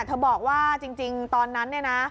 เธอบอกว่าจริงตอนนั้นเนี่ยนะ